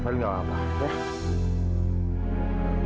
fadil nggak apa apa